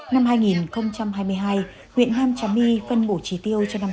năm hai nghìn hai mươi hai huyện nam trà my phân bổ trí tiêu cho năm xã là một mươi km